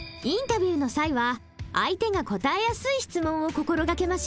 インタビューの際は相手が答えやすい質問を心がけましょう。